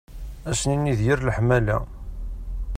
Ad s-nini d yir leḥmala.